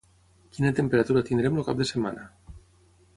quina temperatura tindrem el cap de setmana